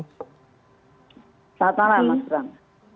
selamat malam mas bram